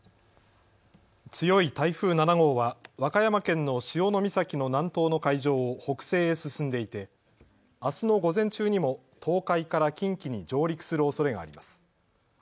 強い台風７号は和歌山県の潮岬の南東の海上を北西へ進んでいてあすの午前中にも東海から近畿に上陸するおそれがあります。